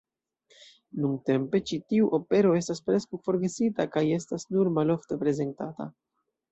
Nuntempe ĉi tiu opero estas preskaŭ forgesita kaj estas nur malofte prezentata.